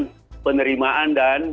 dan penerimaan dan